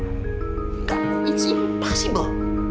enggak mungkin sih makasih boh